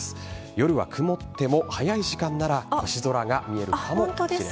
夜は曇っても早い時間なら星空が見えるかもしれません。